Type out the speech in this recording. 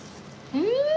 うん！